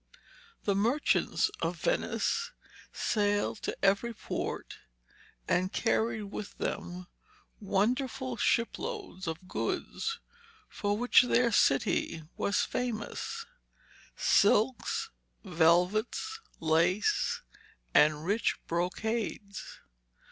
The merchants of Venice sailed to every port and carried with them wonderful shiploads of goods, for which their city was famous silks, velvets, lace, and rich brocades.